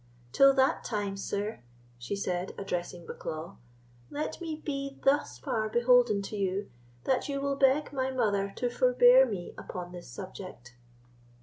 Till that time, sir," she said, addressing Bucklaw, "let me be thus far beholden to you, that you will beg my mother to forbear me upon this subject."